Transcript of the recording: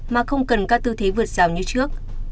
mà không cần các tư thế vượt rào như trước